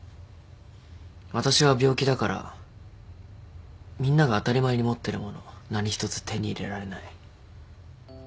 私は病気だからみんなが当たり前に持ってるもの何一つ手に入れられない。